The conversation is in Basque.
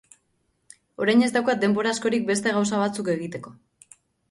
Orain ez daukat denbora askorik beste gauza batzuk egiteko.